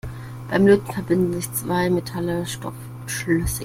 Beim Löten verbinden sich zwei Metalle stoffschlüssig.